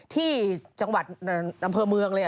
ที่จังหวัดอำเภอเมืองเลย